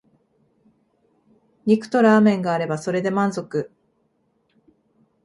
肉とラーメンがあればそれで満足